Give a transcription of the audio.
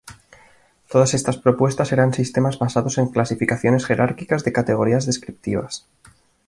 Todas estas propuestas eran sistemas basados en clasificaciones jerárquicas de categorías descriptivas.